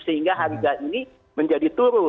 sehingga harga ini menjadi